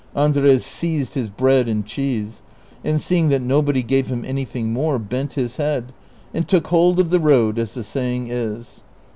Andres seized his bread and cheese, and seeing that nobody gave him anything more, bent his head, and took hold of the road, as the saying is.